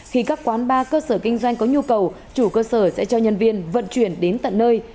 khi các quán bar cơ sở kinh doanh có nhu cầu chủ cơ sở sẽ cho nhân viên vận chuyển đến tận nơi